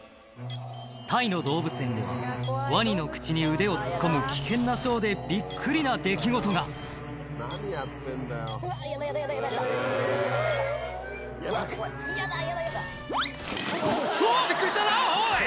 タイの動物園ではワニの口に腕を突っ込む危険なショーでびっくりな出来事が「うわ！びっくりしたなおい！」